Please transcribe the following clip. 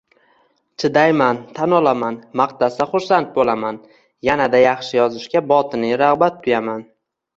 Chidayman, tan olaman, maqtasa xursand bo‘laman, yanada yaxshi yozishga botiniy rag‘bat tuyaman